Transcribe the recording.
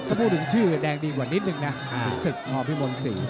ถ้าพูดถึงชื่อแดงดีกว่านิดนึงนะศึกมพิมลศรี